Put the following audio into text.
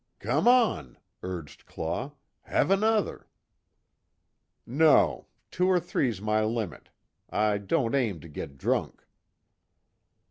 "Come on," urged Claw, "Have another." "No, two or three's my limit. I don't aim to git drunk."